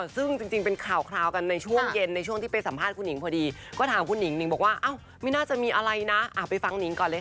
ซึ่งจริงเป็นข่าวกันในช่วงเย็นในช่วงที่ไปสัมภาษณ์คุณหิงพอดีก็ถามคุณหิงหนิงบอกว่าไม่น่าจะมีอะไรนะไปฟังนิงก่อนเลยค่ะ